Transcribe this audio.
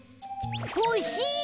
ほしい！